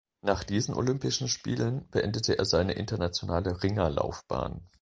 Nach diesen Olympischen Spielen beendete er seine internationale Ringerlaufbahn.